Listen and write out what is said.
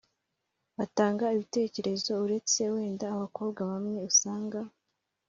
bagatanga ibitekerezo. Uretse wenda abakobwa bamwe usanga